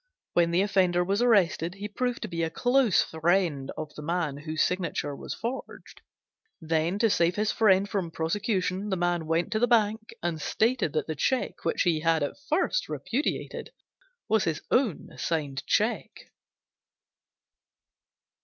When the offender was arrested he proved to be a close friend of the man whose signature was forged. Then to save his friend from prosecution the man went to the bank and stated that the check which he had at first repudiated was his own signed check.